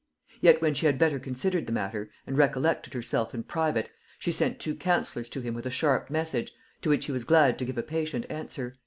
Yet when she had better considered the matter, and recollected herself in private, she sent two councillors to him with a sharp message, to which he was glad to give a patient answer."